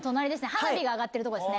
花火が上がってる所です。